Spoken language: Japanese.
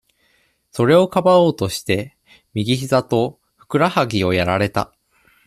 それをかばおうとして、右ひざと、ふくらはぎをやられた。